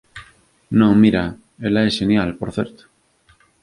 Non, mira... Ela é xenial, por certo.